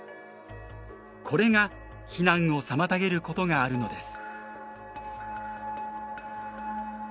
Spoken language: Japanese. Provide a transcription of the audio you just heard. これが避難を妨げることがあるのです。